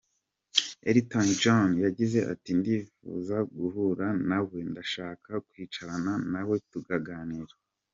Elton John yagize ati “Ndifuza guhura na we, ndashaka kwicarana na we tukaganira.